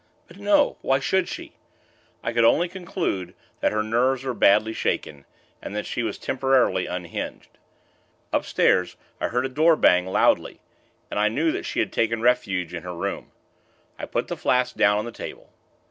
But no! Why should she? I could only conclude that her nerves were badly shaken, and that she was temporarily unhinged. Upstairs, I heard a door bang, loudly, and I knew that she had taken refuge in her room. I put the flask down on the table.